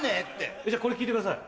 じゃこれ聞いてください。